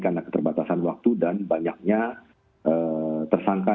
karena keterbatasan waktu dan banyaknya tersangka